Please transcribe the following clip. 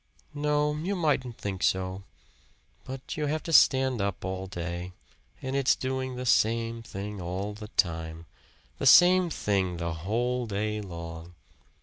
"No, you mightn't think so. But you have to stand up all day; and it's doing the same thing all the time the same thing the whole day long.